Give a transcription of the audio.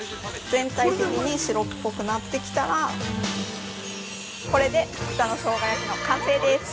◆全体的に白っぽくなってきたら、これで豚のしょうが焼きの完成です。